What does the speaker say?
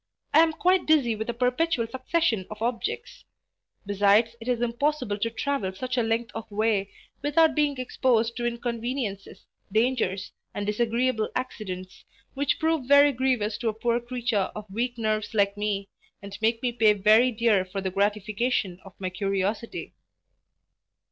I am quite dizzy with a perpetual succession of objects Besides it is impossible to travel such a length of way, without being exposed to inconveniencies, dangers, and disagreeable accidents, which prove very grievous to a poor creature of weak nerves like me, and make me pay very dear for the gratification of my curiosity.